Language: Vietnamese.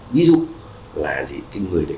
ví dụ là cái người đấy